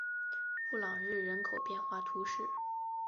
布朗日人口变化图示